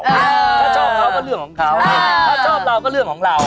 ถ้าชอบเขาก็เรื่องของเขาถ้าชอบเราก็เรื่องของเรา